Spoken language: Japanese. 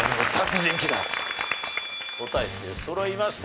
答え出そろいました。